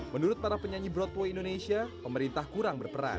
menurut para penyanyi broadway indonesia pemerintah kurang berperan